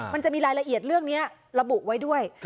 มันจะมีรายละเอียดเรื่องนี้ระบุไว้ด้วย